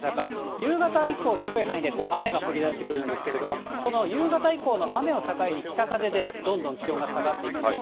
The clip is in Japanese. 夕方以降、広い範囲で雨が降りだしてくるんですけれども、その夕方以降の雨を境に北風で、どんどん気温が下がっていきます。